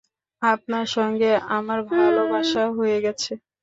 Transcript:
আপনার সঙ্গে আমার ভালবাসা হয়ে গেছে?